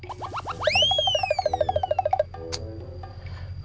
atau mainin musik ganteng